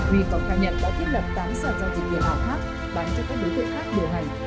huy còn khẳng nhận đã thiết lập tám sản giao dịch tiền ảo khác bán cho các đối tượng khác điều hành